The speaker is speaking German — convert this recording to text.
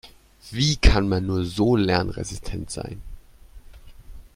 Wie kann man nur so lernresistent sein?